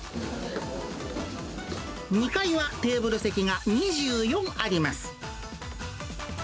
２階はテーブル席が２４あります。